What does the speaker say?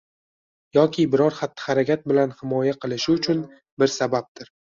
yoki biror xatti-harakat bilan himoya qilishi uchun bir sababdir.